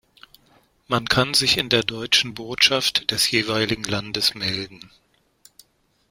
Man kann sich in der deutschen Botschaft des jeweiligen Landes melden.